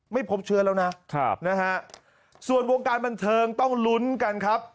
ไม่พบเชื้อแล้วนะครับนะฮะส่วนวงการบันเทิงต้องลุ้นกันครับ